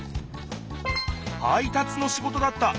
配達の仕事だった。